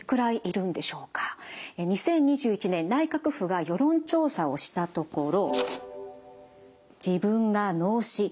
２０２１年内閣府が世論調査をしたところ。